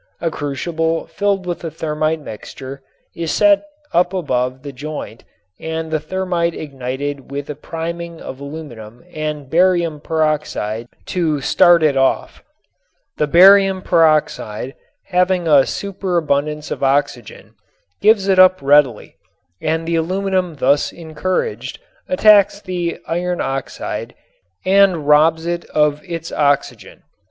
A crucible filled with the thermit mixture is set up above the joint and the thermit ignited with a priming of aluminum and barium peroxide to start it off. The barium peroxide having a superabundance of oxygen gives it up readily and the aluminum thus encouraged attacks the iron oxide and robs it of its oxygen.